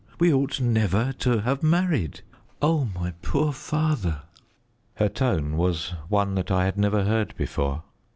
We ought never to have married. Oh, my poor father!" Her tone was one that I had never heard before.